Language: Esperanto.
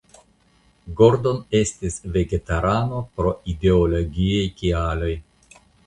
Gordon estis vegetarano pro ideologiaj kialoj.